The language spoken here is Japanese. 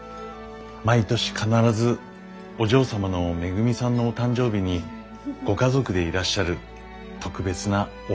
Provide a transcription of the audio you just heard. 毎年必ずお嬢様のめぐみさんのお誕生日にご家族でいらっしゃる特別なお客様なんです。